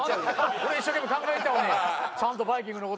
俺一生懸命考えてたのにちゃんとバイきんぐの事。